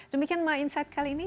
demikian my insight kali ini